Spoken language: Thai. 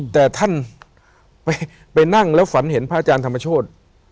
แต่ท่านไปนั่งแล้วฝันเห็นพระอาจารย์ธรรมโชธ